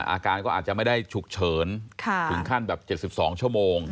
อาการก็อาจจะไม่ได้ฉุกเฉินถึงขั้นแบบ๗๒ชั่วโมง